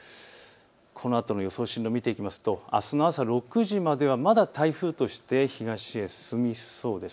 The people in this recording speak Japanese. このあとの予想進路を見ていきますと、あすの朝６時まではまだ台風として東へ進みそうです。